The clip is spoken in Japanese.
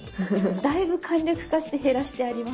だいぶ簡略化して減らしてあります。